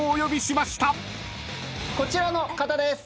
こちらの方です。